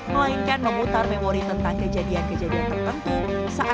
melainkan memutar memori tentang kejadian kejadian tertentu saat kemunculan barang lawas tersebut